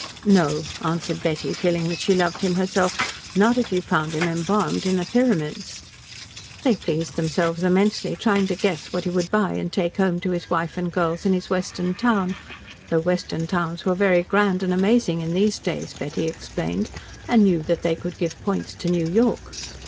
"No," answered Betty, feeling that she loved him herself, "not if you found him embalmed in the Pyramids." They pleased themselves immensely, trying to guess what he would buy and take home to his wife and girls in his Western town though Western towns were very grand and amazing in these days, Betty explained, and knew they could give points to New York.